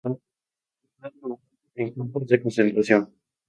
Sus padres murieron en campos de concentración.